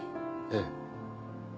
ええ。